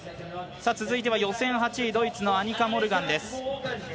続いては予選８位ドイツのアニカ・モルガンです。